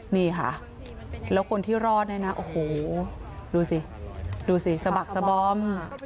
นี่ค่ะแล้วคนที่รอดเนี่ยนะโอ้โหดูสิดูสิสะบักสะบอม